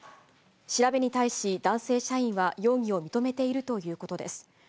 調べに対し、男性社員は容疑を認めているということです。